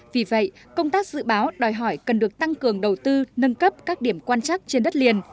vì vậy công tác dự báo đòi hỏi cần được tăng cường đầu tư nâng cấp các điểm quan chắc trên đất liền